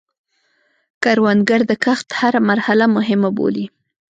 کروندګر د کښت هره مرحله مهمه بولي